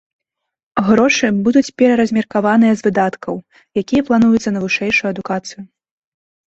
Грошы будуць пераразмеркаваны з выдаткаў, якія плануюцца на вышэйшую адукацыю.